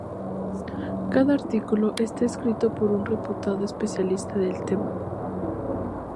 Cada artículo está escrito por un reputado especialista del tema.